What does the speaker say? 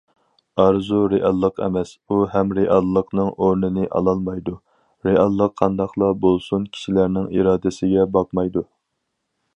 ئارزۇ رېئاللىق ئەمەس، ئۇ ھەم رېئاللىقنىڭ ئورنىنى ئالالمايدۇ، رېئاللىق قانداقلا بولسۇن كىشىلەرنىڭ ئىرادىسىگە باقمايدۇ.